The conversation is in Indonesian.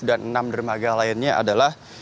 dan enam dermaga lainnya adalah